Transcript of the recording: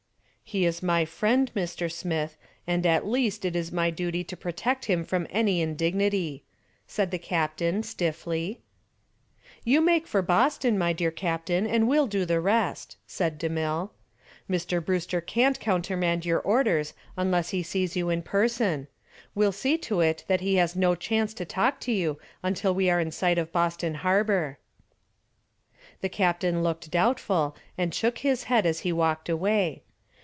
"He is my friend, Mr. Smith, and at least it is my duty to protect him from any indignity," said the captain, stiffly. "You make for Boston, my dear captain, and we'll do the rest," said DeMille. "Mr. Brewster can't countermand your orders unless he sees you in person. We'll see to it that he has no chance to talk to you until we are in sight of Boston Harbor." The captain looked doubtful and shook his head as he walked away.